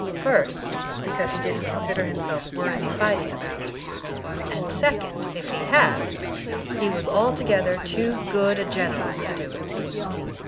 First, be cause he didn't consider himself worth fighting about; and second, if he had, he was altogether too good a general to do it.